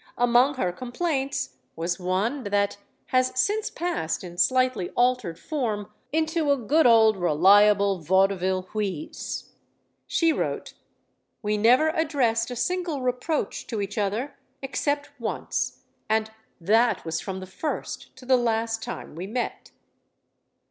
Among her complaints was one that has since passed, in slightly altered form, into a good old reliable vaude ville wheeze. She wrote: We never addressed a single reproach to each other except once. And that was from the first to the last time we met.